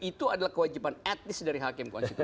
itu adalah kewajiban etnis dari hakim konstitusi